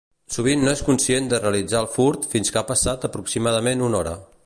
Sovint no és conscient de realitzar el furt fins que ha passat aproximadament una hora.